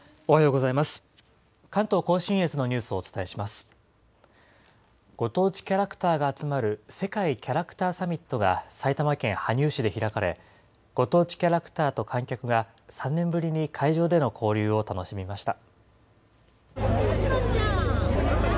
ご当地キャラクターが集まる世界キャラクターさみっとが埼玉県羽生市で開かれ、ご当地キャラクターと観客が、３年ぶりに会場での交流を楽しみました。